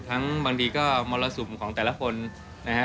ทั้งบางทีก็มรสุมของแต่ละคนนะครับ